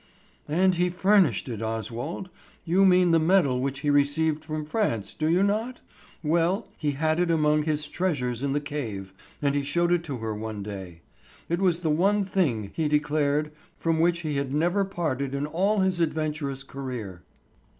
"And he furnished it, Oswald. You mean the medal which he received from France, do you not? Well, he had it among his treasures in the cave, and he showed it to her one day. It was the one thing, he declared, from which he had never parted in all his adventurous career."